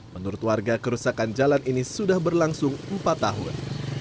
menurut warga kerusakan jalan ini sudah berlangsung empat tahun